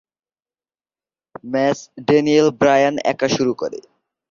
Match Daniel Bryan একা শুরু করে।